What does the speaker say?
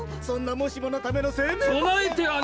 そんなもしものための生命保険。